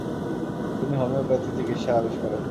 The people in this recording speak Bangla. তিনি হোমিওপ্যাথি চিকিৎসার আবিষ্কারক।